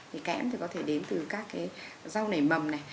thì kẽm thì có thể đến từ các cái rau nảy mầm này